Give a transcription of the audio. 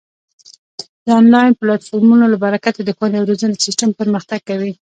د آنلاین پلتفورمونو له برکته د ښوونې او روزنې سیستم پرمختګ کوي.